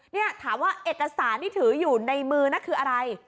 เนี่ยถามว่าเอกสารที่ถืออยู่ในมือนั่นคืออะไร